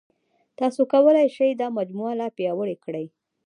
تاسو کولای شئ دا مجموعه لا پیاوړې کړئ.